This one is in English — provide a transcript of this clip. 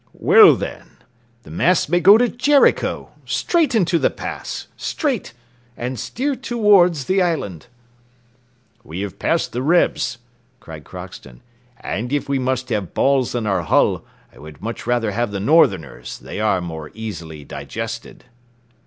"Well, then, the masts may go to Jericho. Straight into the pass! Straight! and steer towards the island." "We have passed the Rebs!" cried Crockston; "and, if we must have balls in our hull, I would much rather have the Northerners; they are more easily digested."